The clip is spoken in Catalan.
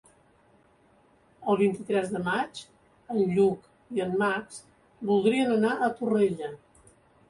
El vint-i-tres de maig en Lluc i en Max voldrien anar a Torrella.